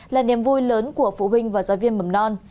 là niềm vui lớn của phụ huynh và giáo viên mầm non